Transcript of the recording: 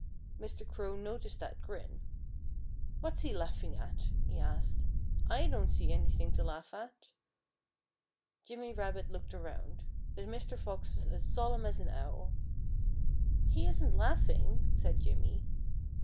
Mr. Crow noticed that grin. "What's he laughing at?" he asked. "I don't see anything to laugh at." Jimmy Rabbit looked around. But Mr. Fox was as solemn as an owl. "He isn't laughing," said Jimmy.